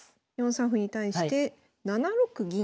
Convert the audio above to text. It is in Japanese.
４三歩に対して７六銀。